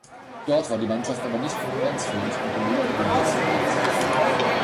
Dort war die Mannschaft aber nicht konkurrenzfähig und belegte den letzten Platz.